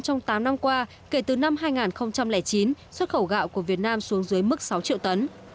trong tám năm qua kể từ năm hai nghìn chín xuất khẩu gạo của việt nam xuống dưới mức sáu triệu tấn